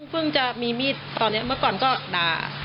จะมีมีดตอนนี้เมื่อก่อนก็ด่า